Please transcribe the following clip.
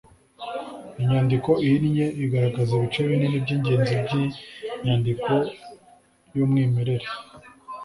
inyandiko ihinnye igaragaza ibice binini by'ingenzi by'inyandiko y'umwimerere.